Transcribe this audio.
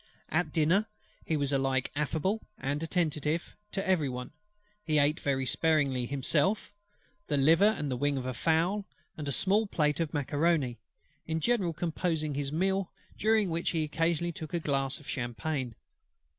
At dinner he was alike affable and attentive to every one: he ate very sparingly himself; the liver and wing of a fowl, and a small plate of macaroni, in general composing his meal, during which he occasionally took a glass of Champagne.